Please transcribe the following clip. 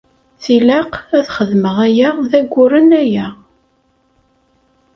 Tilaq ad xedmeɣ aya d ayyuren aya.